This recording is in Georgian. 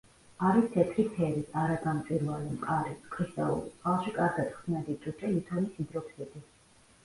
არის თეთრი ფერის, არაგამჭვირვალე, მყარი, კრისტალური, წყალში კარგად ხსნადი ტუტე ლითონის ჰიდროქსიდი.